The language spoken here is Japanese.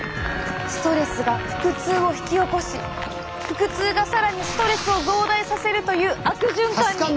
ストレスが腹痛を引き起こし腹痛が更にストレスを増大させるという悪循環に！